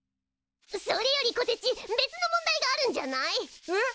それよりこてち別の問題があるんじゃない？えっ！？